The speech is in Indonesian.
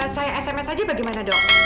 saya sms aja bagaimana dok